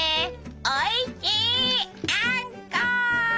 おいしいあんこ！